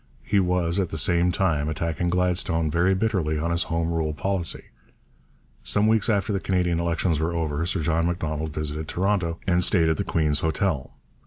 He was at the same time attacking Gladstone very bitterly on his Home Rule policy. Some weeks after the Canadian elections were over, Sir John Macdonald visited Toronto, and stayed at the Queen's Hotel.